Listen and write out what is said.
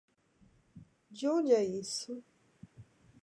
De onde é isso?